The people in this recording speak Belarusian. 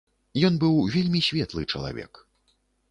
Ён быў вельмі светлы чалавек.